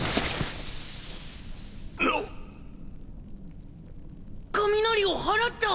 なっ！？